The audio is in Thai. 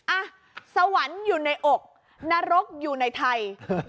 อ่ะสวรรค์อยู่ในอกนรกอยู่ในไทย